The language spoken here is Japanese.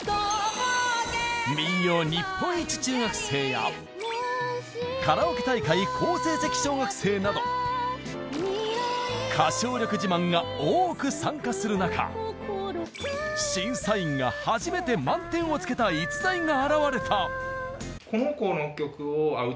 民謡日本一中学生やカラオケ大会好成績小学生など歌唱力自慢が多く参加する中審査員が初めて満点をつけた逸材が現れた。